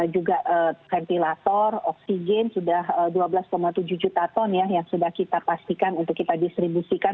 juga ventilator oksigen sudah dua belas tujuh juta ton ya yang sudah kita pastikan untuk kita distribusikan